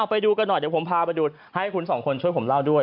ไปดูกันหน่อยเดี๋ยวผมพาไปดูให้คุณสองคนช่วยผมเล่าด้วย